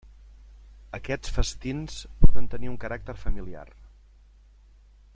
Aquests festins poden tenir un caràcter familiar.